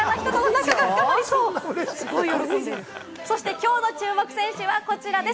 きょうの注目選手はこちらです。